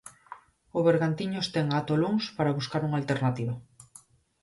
O Bergantiños ten ata o luns para buscar unha alternativa.